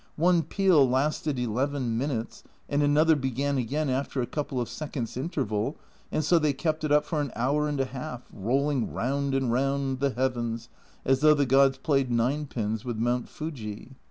One peal lasted eleven minutes, and another began again after a couple of seconds' interval, and so they kept it up for an hour and a half, rolling round and round the heavens, as though the gods played nine pins with Mount Fuji.